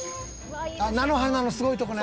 「あっ菜の花のすごいとこね」